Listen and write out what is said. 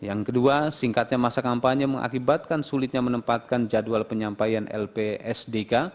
yang kedua singkatnya masa kampanye mengakibatkan sulitnya menempatkan jadwal penyampaian lpsdk